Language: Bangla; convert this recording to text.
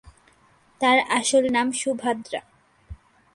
তার আসল নাম সুভাদ্রা।